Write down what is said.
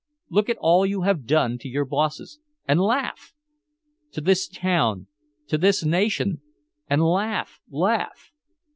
Look at all you have done to your bosses and laugh! To this town, to this nation and laugh, laugh!